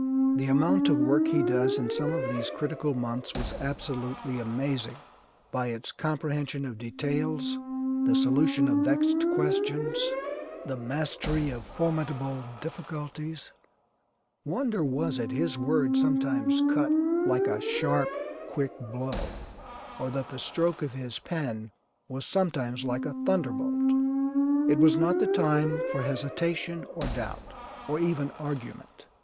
The amount of work he does in some of these critical months was absolutely amazing by its comprehension of details, the solution of vexed questions, the mastery of formidable difficulties, wonder was it his word sometimes cut like a sharp, quick blow, or that the stroke of his pen was sometimes like a thunderbolt. It was not the time for hesitation, or doubt, or even argument.